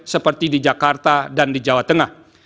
seperti di jakarta dan di jawa tengah